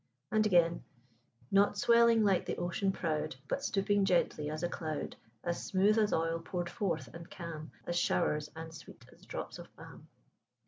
And again "Not swelling like the ocean proud, But stooping gently as a cloud, As smooth as oil pour'd forth, and calm As showers, and sweet as drops of balm."